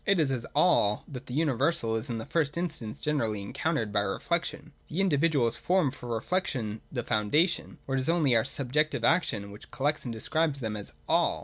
It is as 'all' that the universal is in the first instance generally en countered by reflection. The individuals form for reflection the foundation, and it is only our subjective action which collects and describes them as ' all.'